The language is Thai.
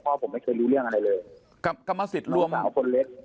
พ่อผมไม่เคยรู้เรื่องอะไรเลย